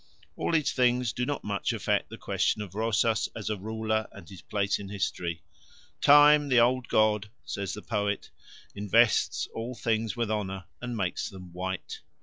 All these things do not much affect the question of Rosas as a ruler and his place in history. Time, the old god, says the poet, invests all things with honour, and makes them white.